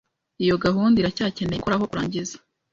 Iyo gahunda iracyakeneye gukoraho kurangiza.